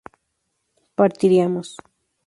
partiríamos